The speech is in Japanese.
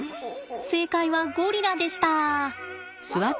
正解はゴリラでした。